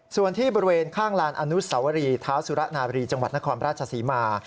ส่วนที่บริเวณข้างลานอนุสวรีเท้าสุระนาบรีจังหวัดนครราชศรีมา